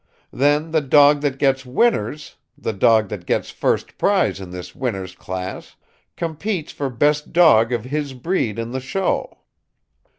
Then the dog that gets 'Winner's' the dog that gets first prize in this 'Winners' Class' competes for best dog of his breed in the show.